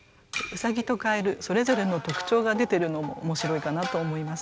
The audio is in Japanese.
兎と蛙それぞれの特徴が出てるのも面白いかなと思います。